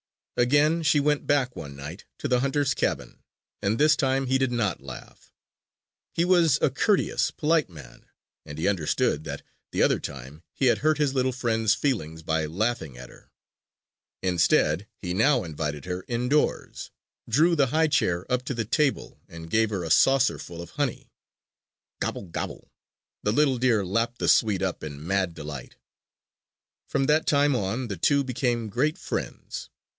Again she went back, one night, to the hunter's cabin; and this time he did not laugh. He was a courteous, polite man; and he understood that, the other time, he had hurt his little friend's feelings by laughing at her. Instead, he now invited her indoors, drew the high chair up to the table and gave her a saucerful of honey. Gobble, gobble! The little deer lapped the sweet up in mad delight. From that time on, the two became great friends.